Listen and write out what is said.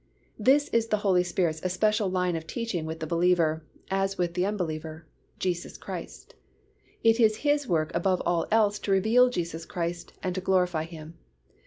This is the Holy Spirit's especial line of teaching with the believer, as with the unbeliever, Jesus Christ. It is His work above all else to reveal Jesus Christ and to glorify Him.